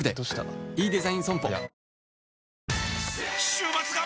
週末が！！